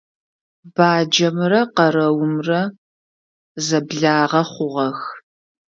Баджэмрэ къэрэумрэ зэблагъэ хъугъэх.